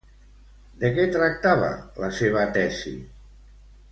De què tractava la seva tesi?